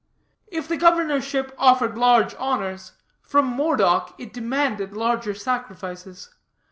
If the governorship offered large honors, from Moredock it demanded larger sacrifices.